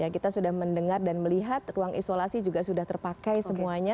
kita sudah mendengar dan melihat ruang isolasi juga sudah terpakai semuanya